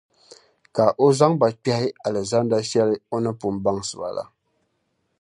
Ka O zaŋ ba kpεhi Alizanda shεli O ni pun baŋsi ba la.